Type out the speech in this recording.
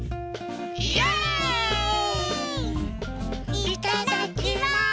いただきます！